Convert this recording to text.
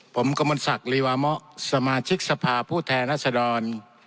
ผมกำลังศักดิ์ลีวามะสมาชิกสภาพูดแทนรัฐศดร